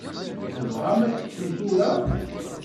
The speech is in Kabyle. Tebɣam ad teččem tura?